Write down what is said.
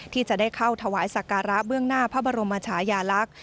ที่จะได้เข้าถวายสักการะเบื้องหน้าพระบรมชายาลักษณ์